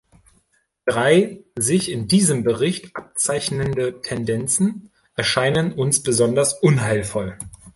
Drei sich in diesem Bericht abzeichnende Tendenzen erscheinen uns besonders unheilvoll.